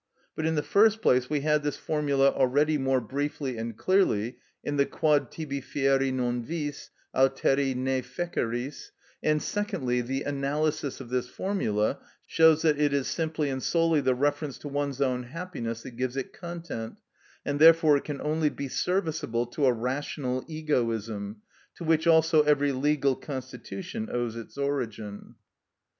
But, in the first place, we had this formula already more briefly and clearly in the "Quod tibi fieri non vis, alteri ne feceris;" and, secondly, the analysis of this formula shows that it is simply and solely the reference to one's own happiness that gives it content, and therefore it can only be serviceable to a rational egoism, to which also every legal constitution owes its origin.